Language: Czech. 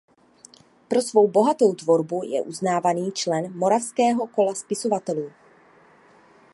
Pro svou bohatou tvorbu je uznávaný člen Moravského kola spisovatelů.